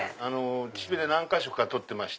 秩父で何か所か採ってまして。